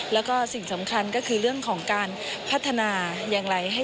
แล้วก็สิ่งสำคัญก็คือเรื่องของการพัฒนาอย่างไร